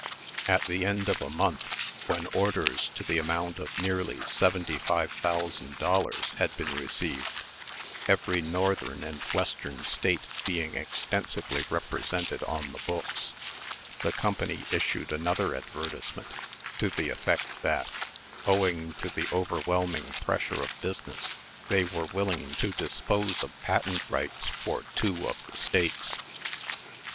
At the end of a month, when orders to the amount of nearly seventy five thousand dollars had been received every Northern and Western State being extensively represented on the books the Company issued another advertisement, to the effect that, owing to the overwhelming pressure of business, they were willing to dispose of patent rights for two of the States.